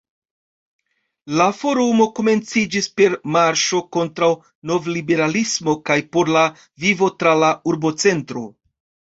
La forumo komenciĝis per “marŝo kontraŭ novliberalismo kaj por la vivo tra la urbocentro.